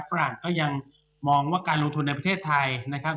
ฝรั่งก็ยังมองว่าการลงทุนในประเทศไทยนะครับ